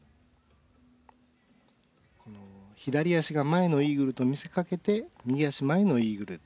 この左足が前のイーグルと見せかけて右足前のイーグル。